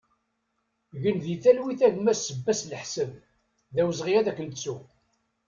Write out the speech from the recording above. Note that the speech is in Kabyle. Gen di talwit a gma Sebbas Laḥsen, d awezɣi ad k-nettu!